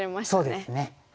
そうですね。